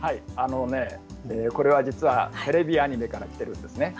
これは実はテレビアニメから、きているんです。